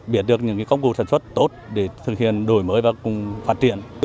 biết được những công cụ sản xuất tốt để thực hiện đổi mới và cùng phát triển